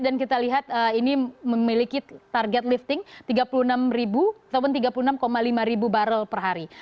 dan kita lihat ini memiliki target lifting tiga puluh enam atau tiga puluh enam lima ribu barrel per hari